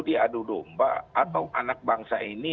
diadu domba atau anak bangsa ini